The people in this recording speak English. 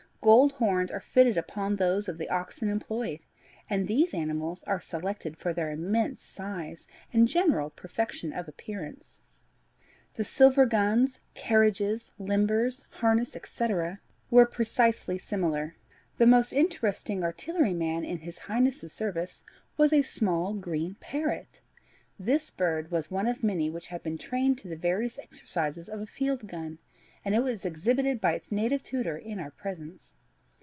Gold horns are fitted upon those of the oxen employed, and these animals are selected for their immense size and general perfection of appearance. The silver guns, carriages, limbers, harness, etc., were precisely similar. The most interesting artilleryman in his Highness's service was a small green parrot. This bird was one of many which had been trained to the various exercises of a field gun, and it was exhibited by its native tutor in our presence.